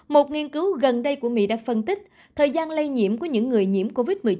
một nghiên cứu gần đây của mỹ đã phân tích thời gian lây nhiễm của những người nhiễm covid một mươi chín